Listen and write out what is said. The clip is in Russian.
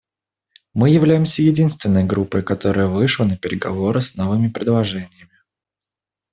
Мы являемся единственной группой, которая вышла на переговоры с новыми предложениями.